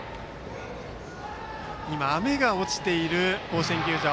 今、雨が落ちている甲子園球場。